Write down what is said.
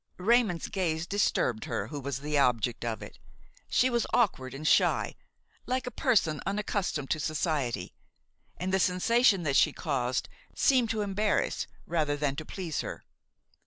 Raymon's gaze disturbed her who was the object of it; she was awkward and shy, like a person unaccustomed to society, and the sensation that she caused seemed to embarrass rather than to please her.